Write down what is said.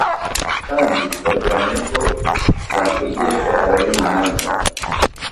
kandi barwanya ko zakwigishwa Abanyamahanga.